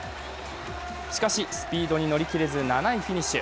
しかし、スピードに乗り切れず７位フィニッシュ。